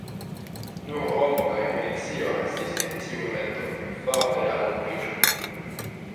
Nur Romo kaj Venecio restis en tiu momento for de la unuiĝo.